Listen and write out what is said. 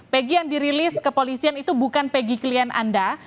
pegi yang dirilis kepolisian itu bukan pegi klien anda